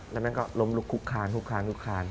แล้วมันก็ล้มลุกคุกคานคุกคานทุกคาน